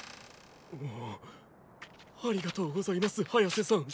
ありがとうございますハヤセさん。